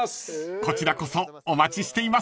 ［こちらこそお待ちしています］